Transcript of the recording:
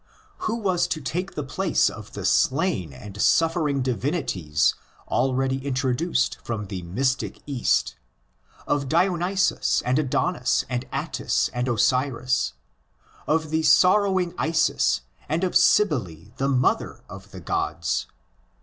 20 THE ORIGINS OF CHRISTIANITY Who was to take the place of the slain and suffering divinities already introduced from the mystic Hast ; of Dionysus and Adonis and Attis and Osiris; of the sorrowing Isis, and of Cybele, the mother of the Gods